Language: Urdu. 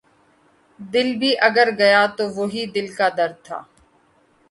دل بھی اگر گیا تو وہی دل کا درد تھا